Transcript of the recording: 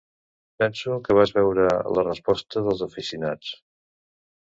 Penso que vas veure la resposta dels aficionats.